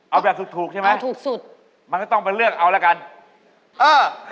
เอาแบบถูกใช่ไหมมันก็ต้องไปเลือกเอาละกันเออถูกสุด